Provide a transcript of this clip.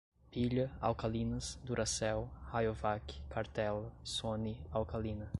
Pilha, alcalinas, duracell, rayovak, cartela, sony, alcalina